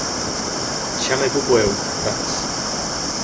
Xa me ocupo eu, grazas.